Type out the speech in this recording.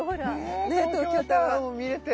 東京タワーも見れて。